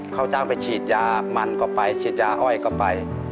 เขาจ้างไปฉีดยามันก็ไปฉีดยาอ้อยก็ไป